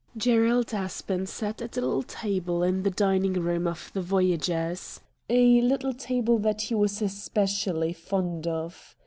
Gerald Aspen sat at a little table in the dining room of the Voyagers — a little table that he was especially fond of.